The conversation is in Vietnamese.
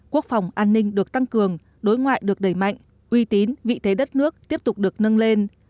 quốc phòng an ninh được tăng cường đối ngoại được đẩy mạnh uy tín vị thế đất nước tiếp tục được nâng lên